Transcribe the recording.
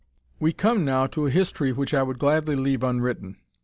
We come now to a history which I would gladly leave unwritten.